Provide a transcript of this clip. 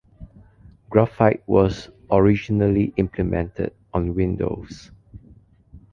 Graphite was originally implemented on Windows.